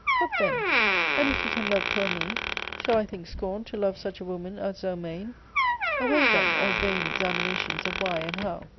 What then ? and if she can love poor me, shall I think scorn to love such a woman as Zelmane ? Away then, all vain examinations of why and how.